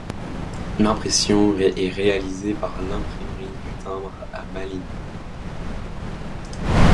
L'impression est réalisée par l'Imprimerie du timbre à Malines.